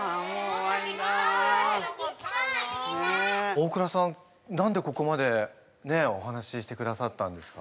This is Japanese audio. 大倉さん何でここまでねえお話ししてくださったんですか？